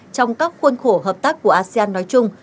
trong các khuôn khổ hợp tác của asean nói chung